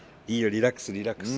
リラックスリラックス。